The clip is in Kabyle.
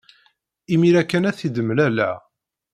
Imir-a kan ay t-id-mlaleɣ.